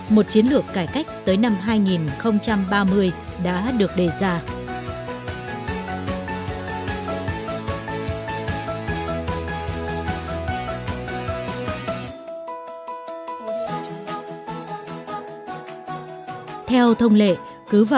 một chiến lược cải cách tới năm hai nghìn ba mươi đã hát được